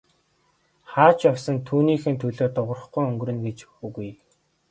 Хаа ч явсан түүнийхээ төлөө дуугарахгүй өнгөрнө гэж үгүй.